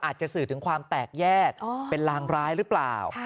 อาจจะสื่อถึงความแตกแยกเป็นลางร้ายหรือเปล่า